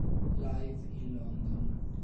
Live in London.